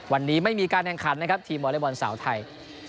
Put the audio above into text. วันนี้ไม่มีการแข่งขันนะครับทีมวอเล็กบอลสาวไทย